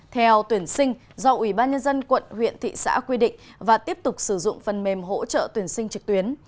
theo tuyển sinh do ủy ban nhân dân quận huyện thị xã quy định và tiếp tục sử dụng phần mềm hỗ trợ tuyển sinh trực tuyến